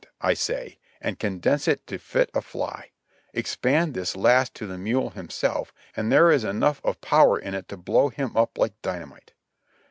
I say, and condense it to fit a fly; expand this last to the mule him self, and there is enough of power in it to blow him up like dynamite.